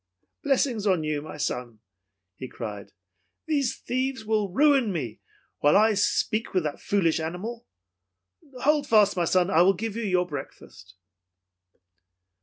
"Blessings on you, my son!" he cried. "These thieves will ruin me while I speak with that foolish animal. Hold fast, my son, and I will give you your breakfast."